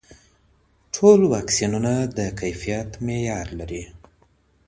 ټول واکسینونه د کیفیت معیار لري.